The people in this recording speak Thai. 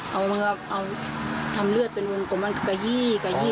เอามือทำเลือดเป็นกลมมันกะยี่แล้วก็กลมมันกะยี่